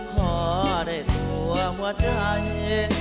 ขอได้ตัวหัวใจ